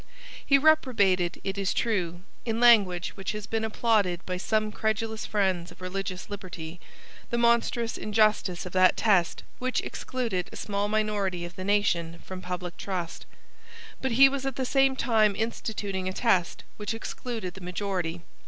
He reprobated, it is true, in language which has been applauded by some credulous friends of religious liberty, the monstrous injustice of that test which excluded a small minority of the nation from public trust: but he was at the same time instituting a test which excluded the majority.